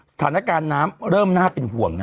สถานการณ์น้ำเริ่มน่าเป็นห่วง